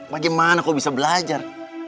bagaimana kok bisa belajar